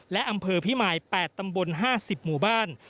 และอำเภอพิมาย๘ตำบล๕๐หมู่บ้าน